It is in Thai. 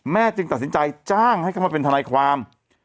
จึงตัดสินใจจ้างให้เข้ามาเป็นทนายความ